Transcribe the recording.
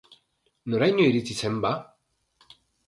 Noraino iritsi zen, ba?